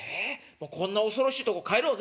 もうこんな恐ろしいところ帰ろうぜ」。